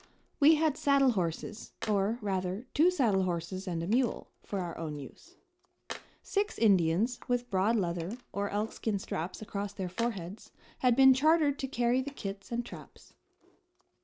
We had saddle horses, or, rather, two saddle horses and a mule, for our own use. Six Indians, with broad leather or elkskin straps across their foreheads, had been chartered to carry the kits and traps.